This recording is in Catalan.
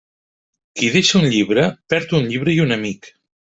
Qui deixa un llibre, perd un llibre i un amic.